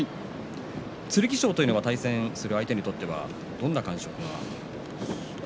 剣翔というのは対戦する相手にとってはどんな感触が？